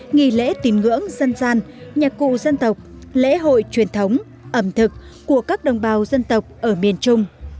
nghỉ lễ tìm ngưỡng dân gian nhạc cụ dân tộc lễ hội truyền thống ẩm thực của các đồng bào dân tộc ở miền trung